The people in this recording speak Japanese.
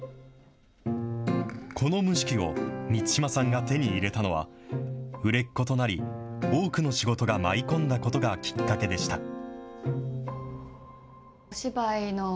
この蒸し器を満島さんが手に入れたのは、売れっ子となり、多くの仕事が舞い込んだことがきっかけでした。